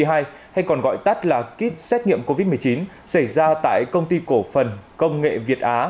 hay còn gọi tắt là kit xét nghiệm covid một mươi chín xảy ra tại công ty cổ phần công nghệ việt á